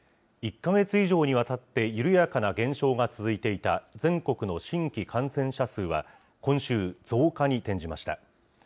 １か月以上にわたって緩やかな減少が続いていた全国の新規感染者数は、今週、増加に転じました。